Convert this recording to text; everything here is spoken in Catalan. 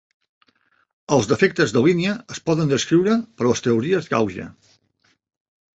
Els defectes de línia es poden descriure per les teories gauge.